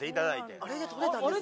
あれでとれたんですね？